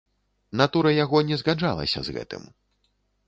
Натура яго не згаджалася з гэтым.